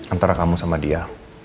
antara kamu sama dia